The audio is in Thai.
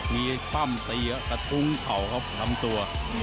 มีปั้มตีกระทุ้งเข่าครับลำตัว